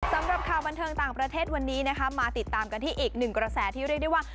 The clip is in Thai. สำหรับข่าวบันเทิงต่างประเทศวันนี้นะคะมาติดตามกันที่อีกหนึ่งกระแสที่เรียกได้ว่า